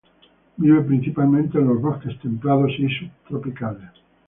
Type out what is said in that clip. Vive principalmente en los bosques templados y subtropicales.